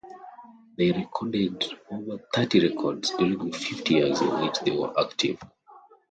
They recorded over thirty records during the fifty years in which they were active.